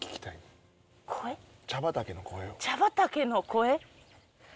茶畑の声？